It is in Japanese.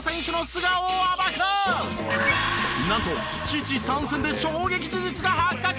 なんと父参戦で衝撃事実が発覚！